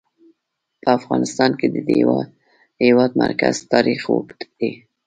په افغانستان کې د د هېواد مرکز تاریخ اوږد دی.